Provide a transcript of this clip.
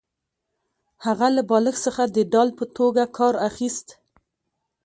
هغه له بالښت څخه د ډال په توګه کار اخیست